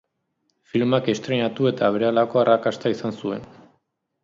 Filmak estreinatu eta berehalako arrakasta izan zuen.